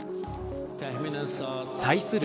対する